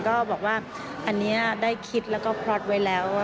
ก็บอกว่าอันนี้ได้คิดแล้วก็พล็อตไว้แล้ว